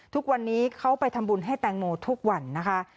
ทุกวันนี้เขาไปทำบุญให้แตงโมทุกวันนะคะ